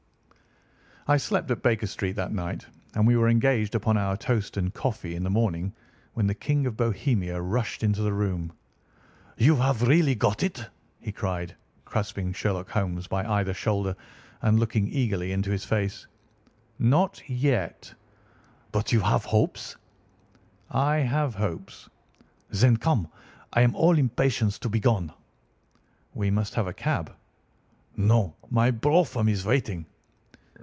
I slept at Baker Street that night, and we were engaged upon our toast and coffee in the morning when the King of Bohemia rushed into the room. "You have really got it!" he cried, grasping Sherlock Holmes by either shoulder and looking eagerly into his face. "Not yet." "But you have hopes?" "I have hopes." "Then, come. I am all impatience to be gone." "We must have a cab." "No, my brougham is waiting."